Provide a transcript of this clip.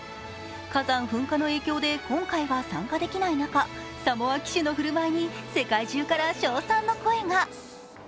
火山噴火の影響で今回は参加できない中、サモア旗手の振る舞いに世界中から称賛の声が。